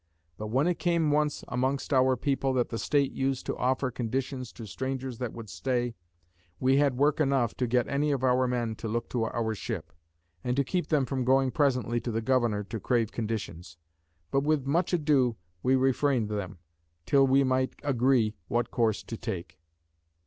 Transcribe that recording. But when it came once amongst our people that the state used to offer conditions to strangers that would stay, we had work enough to get any of our men to look to our ship; and to keep them from going presently to the governor to crave conditions. But with much ado we refrained them, till we might agree what course to take.